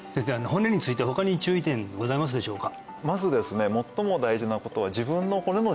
骨について他に注意点ございますでしょうか？